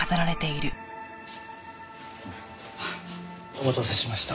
お待たせしました。